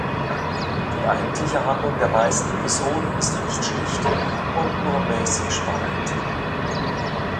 Die eigentliche Handlung der meisten Episoden ist recht schlicht und nur mäßig spannend.